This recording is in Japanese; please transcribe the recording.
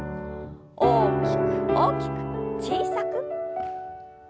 大きく大きく小さく。